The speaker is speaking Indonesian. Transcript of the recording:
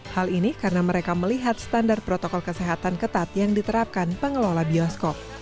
hal ini karena mereka melihat standar protokol kesehatan ketat yang diterapkan pengelola bioskop